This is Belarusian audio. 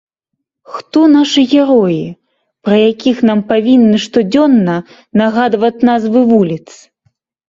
Хто нашы героі, пра якіх нам павінны штодзённа нагадваць назвы вуліц?